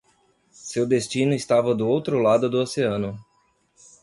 Seu destino estava do outro lado do oceano